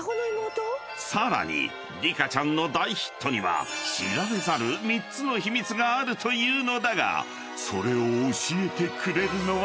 ［さらにリカちゃんの大ヒットには知られざる三つの秘密があるというのだがそれを教えてくれるのは］